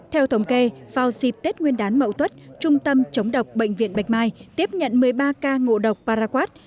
theo thống kê vào dịp tết nguyên đán mậu tuất trung tâm chống độc bệnh viện bạch mai tiếp nhận một mươi ba ca ngộ độc paraquad